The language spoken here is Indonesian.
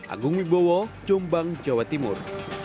agung wibowo jombang jawa timur